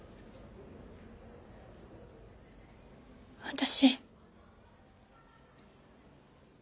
私。